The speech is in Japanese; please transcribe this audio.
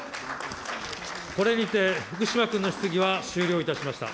これにて、福島君の質疑は終了いたしました。